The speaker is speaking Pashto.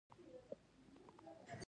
کېله د سپورتي کسانو لپاره غوره خواړه ده.